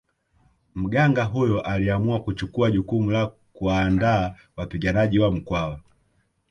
Mganga huyo aliamua kuchukua jukumu la kuwaandaa wapiganaji wa Mkwawa